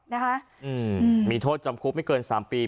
นะคะมือมีโทษจำกุบไม่เกินสามปี